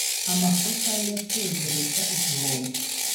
amakosa ye yateje Leta igihombo